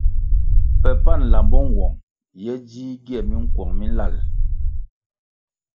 Pe pan nlambo nwong ye dzih gie minkuong mi nlal.